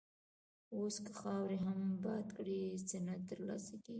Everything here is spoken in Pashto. اوس که خاورې هم باد کړې، څه نه تر لاسه کېږي.